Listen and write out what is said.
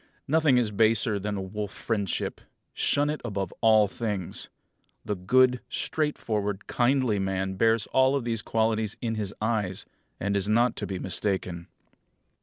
Nothing is baser than wolf friendship. Shun it above all things. The good, straightforward, kindly man bears all these qualities in his eyes, and is not to be mistaken.